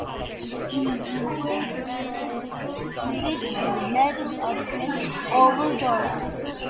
Newer garages are fitted with metal up-and-over doors.